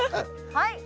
はい。